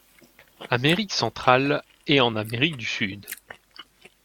Amérique centrale et en Amérique du Sud.